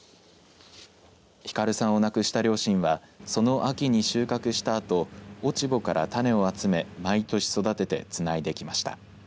晃さんを亡くした両親はその秋に収穫したあと落ち穂から種を集め毎年育ててつないできました。